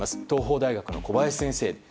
東邦大学の小林先生。